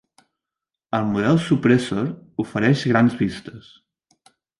El model Suppressor ofereix grans vistes.